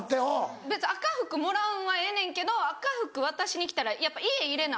別に赤福もらうんはええねんけど赤福渡しに来たらやっぱ家入れな